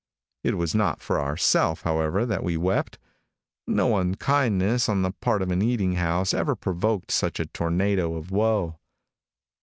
It was not for ourself, however, that we wept. No unkindness on the part of an eating house ever provoked such a tornado of woe.